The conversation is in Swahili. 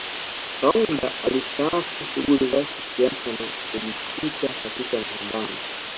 Kaunda alistaafu shughuli za kisiasa na kujikita katika mapambano